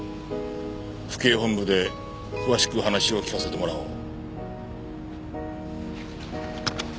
府警本部で詳しく話を聞かせてもらおう。